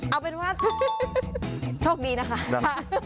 เอาเป็นว่าโชคดีนะคะ